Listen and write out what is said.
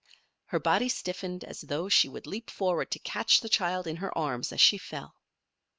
Her body stiffened as though she would leap forward to catch the child in her arms, as she fell.